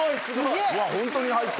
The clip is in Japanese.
・ホントに入った。